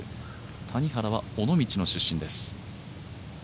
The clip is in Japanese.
谷原は尾道の出身です。